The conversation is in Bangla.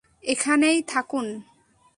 এখানেই থাকুন।